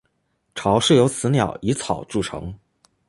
巢是由雌鸟以草筑成。